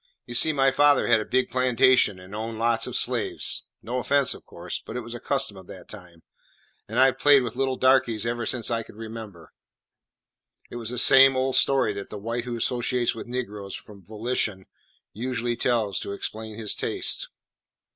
You see, my father had a big plantation and owned lots of slaves, no offence, of course, but it was the custom of that time, and I 've played with little darkies ever since I could remember." It was the same old story that the white who associates with negroes from volition usually tells to explain his taste.